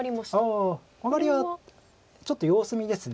ああマガリはちょっと様子見です。